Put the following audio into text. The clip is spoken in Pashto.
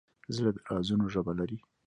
زړه د رازونو ژبه لري.